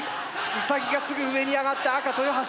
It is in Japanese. ウサギがすぐ上に上がった赤豊橋。